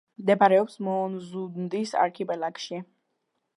მდებარეობს მოონზუნდის არქიპელაგში.